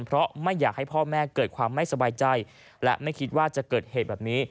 เพราะไม่อยากให้พ่อแม่เกิดความไม่สบายใจและไม่คิดว่าจะเกิดเหตุแบบนี้